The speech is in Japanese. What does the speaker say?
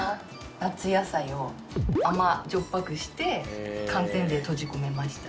夏野菜を甘じょっぱくして寒天で閉じ込めました。